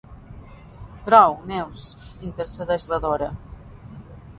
Prou, Neus —intercedeix la Dora.